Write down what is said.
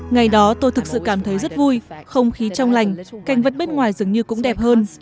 ngày đó tôi thực sự cảm thấy rất vui không khí trong lành cảnh vật bên ngoài dường như cũng đẹp hơn